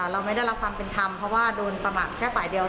เราไม่ได้รับความเป็นธรรมเพราะว่าโดนประมาทแค่ฝ่ายเดียว